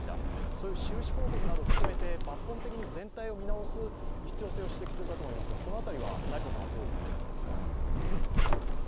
そういう収支報告などを含めて抜本的に全体を見直す必要性を指摘する方もいますがどうお感じになっていますか？